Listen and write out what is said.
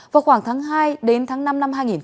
vào khoảng tháng hai đến tháng năm năm hai nghìn hai mươi